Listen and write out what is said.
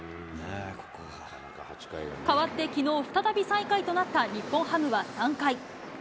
かわってきのう、再び最下位となった日本ハムは３回。